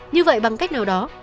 như vậy bằng cách nào đó